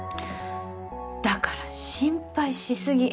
だから心配しすぎ